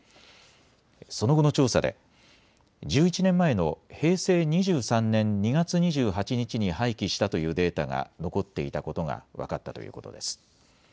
その後の調査で１１年前の平成２３年２月２８日に廃棄したというデータが残っていたことが分かったということです。